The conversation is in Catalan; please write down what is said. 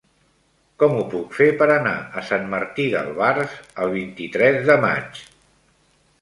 Com ho puc fer per anar a Sant Martí d'Albars el vint-i-tres de maig?